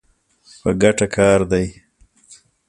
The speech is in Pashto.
په ګټه کار دی.